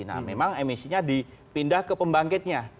nah memang emisinya dipindah ke pembangkitnya